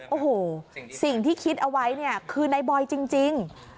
โอ้โหสิ่งที่คิดเอาไว้เนี่ยคือในบอยจริง